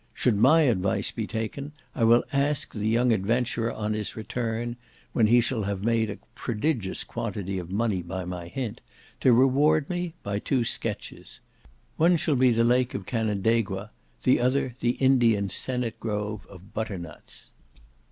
Should my advice be taken, I will ask the young adventurer on his return (when he shall have made a prodigious quantity of money by my hint), to reward me by two sketches. One shall be the lake of Canandaigua; the other the Indians' Senate Grove of Butternuts.